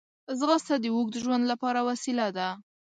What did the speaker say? ځغاسته د اوږد ژوند لپاره وسیله ده